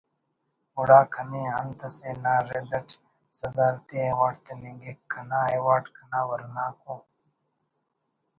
گڑا کنے انت اسے نا رد اٹ صدارتی ایوارڈ تننگک کنا ایوارڈ کنا ورناک ءُ